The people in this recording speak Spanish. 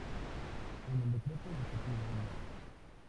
En el decreto ejecutivo No.